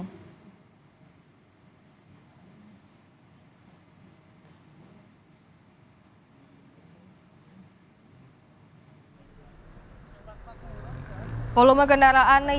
volume kendaraan yang melintas lebih dari tiga kendaraan per jam